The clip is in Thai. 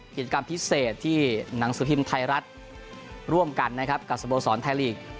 กิจกรรมพิเศษที่หนังสือพิมพ์ไทยรัฐร่วมกันนะครับกับสโมสรไทยลีก